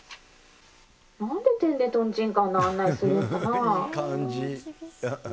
なんでてんでとんちんかんな案内するのかな。